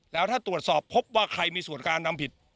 แล้วถ้าตรวจสอบพบว่าใครมีส่วนการทำผิด